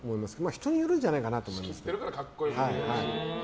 人によるんじゃないかなと思いますけど。